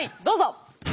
どうぞ。